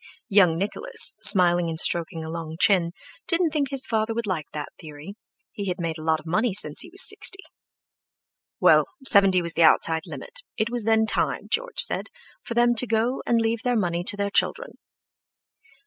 Young Nicholas, smiling and stroking a long chin, didn't think his father would like that theory; he had made a lot of money since he was sixty. Well, seventy was the outside limit; it was then time, George said, for them to go and leave their money to their children.